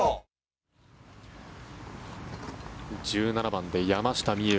１７番で山下美夢